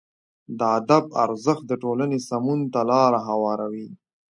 د ادب ارزښت د ټولنې سمون ته لاره هواروي.